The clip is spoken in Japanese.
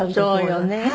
そうよね。